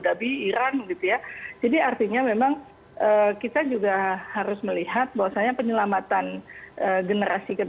dan pidana dua tahun